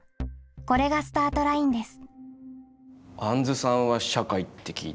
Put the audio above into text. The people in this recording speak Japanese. これがスタートラインです。